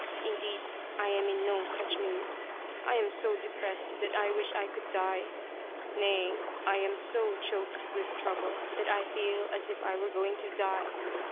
Indeed, I am in no such mood. I am so depressed that I wish I could die. Nay, I am so choked with trouble that I feel as if I were going to die.